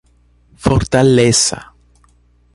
Fortaleza